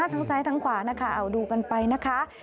ทั้งซ้ายทั้งขวานะคะเอาดูกันไปนะคะ